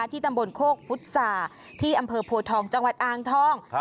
ที่ตำบลโคกพุษาที่อำเภอโพทองจังหวัดอ่างทอง